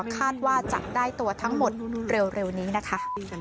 คาดว่าจะได้ตัวทั้งหมดเร็วนี้นะคะ